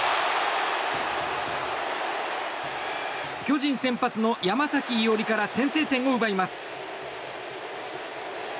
巨人先発の山崎伊織から先制点を奪います。